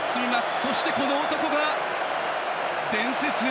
そして、この男が伝説へ。